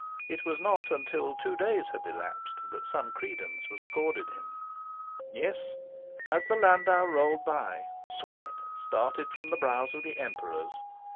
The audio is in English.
It was not until two days had elapsed that some credence was accorded him. Yes, as the landau rolled by, sweat started from the brows of the Emperors.